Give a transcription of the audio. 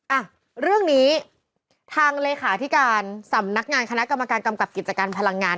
อ่ะเรื่องนี้ทางเลขาธิการสำนักงานคณะกรรมการกำกับกิจการพลังงาน